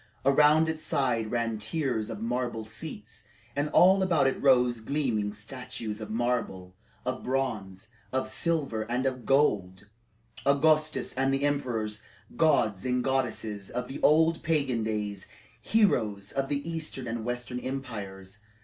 Around its sides ran tiers of marble seats, and all about it rose gleaming statues of marble, of bronze, of silver, and of gold Augustus and the emperors, gods and goddesses of the old pagan days, heroes of the eastern and western empires.